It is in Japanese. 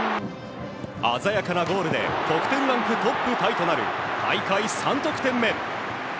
鮮やかなゴールで得点ランクトップタイとなる大会３得点目。